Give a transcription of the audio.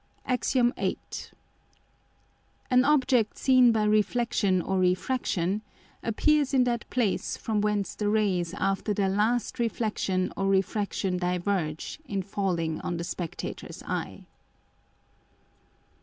[Illustration: FIG. 8.] AX. VIII. _An Object seen by Reflexion or Refraction, appears in that place from whence the Rays after their last Reflexion or Refraction diverge in falling on the Spectator's Eye.